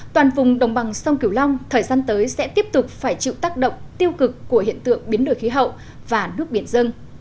toàn vùng đồng bằng sông kiều long thời gian tới sẽ tiếp tục phải chịu tác động tiêu cực của hiện tượng biến đổi khí hậu và nước biển dân